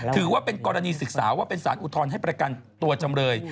ถือว่าเป็นกรณีศึกษาว่าเป็นสารอุทธรณ์ให้ประกันตัวจำเลย